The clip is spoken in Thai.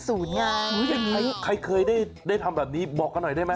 อ๋อไทยฟังสี่จุดสูญาอย่างนี้ใครเคยได้ทำแบบนี้บอกกันหน่อยได้ไหม